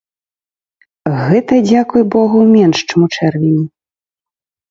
Гэта, дзякуй богу, менш чым ў чэрвені.